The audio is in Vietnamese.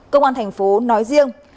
công an tp hcm nói riêng